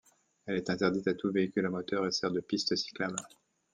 Elle est interdite à tout véhicule à moteur, et sert de piste cyclable.